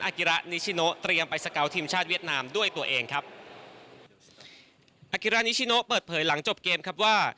กิระนิชิโนเตรียมไปสเกาะทีมชาติเวียดนามด้วยตัวเองครับอากิรานิชิโนเปิดเผยหลังจบเกมครับว่า